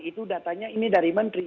itu datanya ini dari menteri